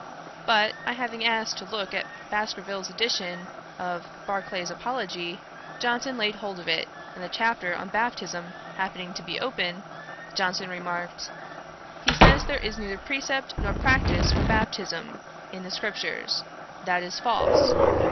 But I having asked to look at Baskerville's edition of Barclay's Apology, Johnson laid hold of it; and the chapter on baptism happening to open, Johnson remarked, 'He says there is neither precept nor practice for baptism, in the scriptures; that is false.'